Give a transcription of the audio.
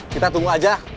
kita tunggu aja